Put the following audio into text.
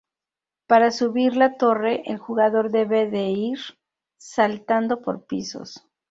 Para subir la torre, el jugador debe de ir saltando por pisos.